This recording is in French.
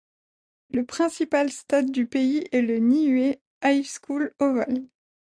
Le principal stade du pays est le Niue High School Oval.